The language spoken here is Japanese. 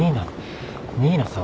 新名さん